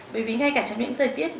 bởi vì ngay cả trong những thời tiết